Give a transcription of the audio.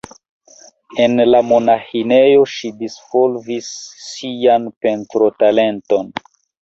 En la monaĥinejo ŝi disvolvis sian pentrotalenton.